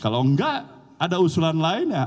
kalau enggak ada usulan lainnya